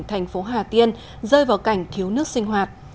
thành phố hà tiên rơi vào cảnh thiếu nước sinh hoạt